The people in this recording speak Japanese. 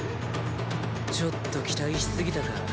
ちょっと期待しすぎたか。